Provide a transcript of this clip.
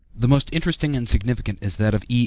The most interesting and significant is that of E.